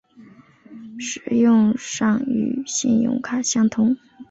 使用上与信用卡相同。